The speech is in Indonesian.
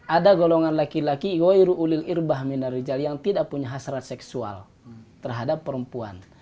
ada golongan laki laki yang tidak punya hasrat seksual terhadap perempuan